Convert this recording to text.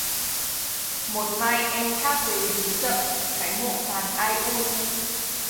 Một mai em thác về rú rậm, cái mộ tàn ai un